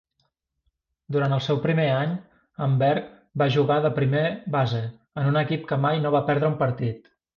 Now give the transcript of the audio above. Durant el seu primer any, en Berg va jugar de primer base en un equip que mai no va perdre un partit.